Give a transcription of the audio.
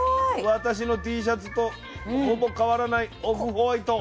私のＴシャツとほぼ変わらないオフホワイト。